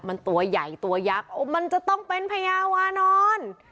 มันตัวใหญ่ตัวหญักมันจะต้องเป็นพระยาวนอน